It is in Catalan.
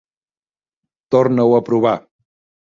Torna-ho a provar!